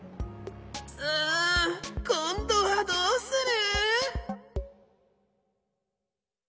うんこんどはどうする？